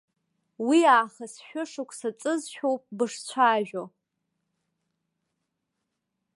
Уиаахыс шәышықәса ҵызшәоуп бышцәажәо.